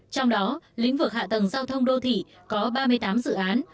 trong đó lĩnh vực hạ tầng giao thông đô thị có ba mươi tám dự án